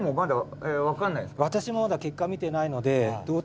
私もまだ結果見てないので。